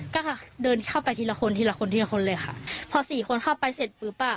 ก็ค่ะเดินเข้าไปทีละคนทีละคนทีละคนเลยค่ะพอสี่คนเข้าไปเสร็จปุ๊บอ่ะ